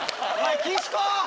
岸子！